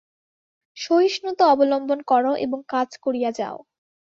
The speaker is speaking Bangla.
সহিষ্ণুতা অবলম্বন কর এবং কাজ করিয়া যাও।